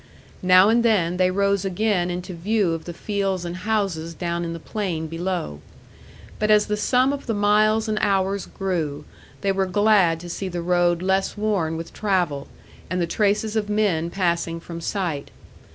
Now and then they rose again into view of the fields and houses down in the plain below. But as the sum of the miles and hours grew, they were glad to see the road less worn with travel, and the traces of men passing from sight.